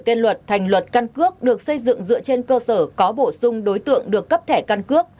nên luật thành luật căn cước được xây dựng dựa trên cơ sở có bổ sung đối tượng được cấp thẻ căn cước